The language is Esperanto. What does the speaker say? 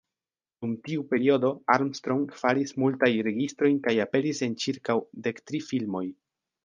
Dum tiu periodo, Armstrong faris multajn registrojn kaj aperis en ĉirkaŭ dektri filmoj.